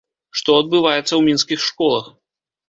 Што адбываецца ў мінскіх школах?